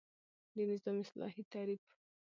د نظام اصطلاحی تعریف